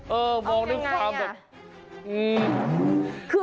เออมองนึกความแบบ